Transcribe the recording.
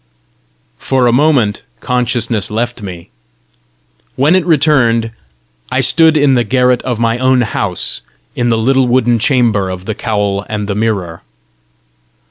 For a moment consciousness left me. When it returned, I stood in the garret of my own house, in the little wooden chamber of the cowl and the mirror.